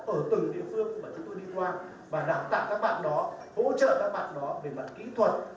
ở từng địa phương mà chúng tôi đi qua và đào tạo các bạn đó hỗ trợ các bạn đó về mặt kỹ thuật